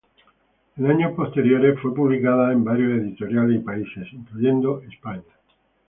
En años posteriores fue publicada en varias editoriales y países, incluyendo España.